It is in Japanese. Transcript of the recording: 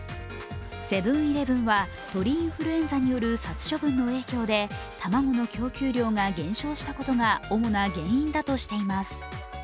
セブン−イレブンは鳥インフルエンザによる殺処分の影響で卵の供給量が減少したことが主な原因だとしています。